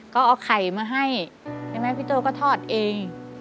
ก็เอาไข่มาให้พี่โต๊ะก็ทอดเอง